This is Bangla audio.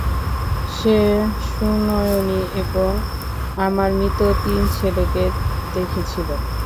সে সুনয়নী এবং আমার মৃত তিন ছেলেকে দেখেছিল।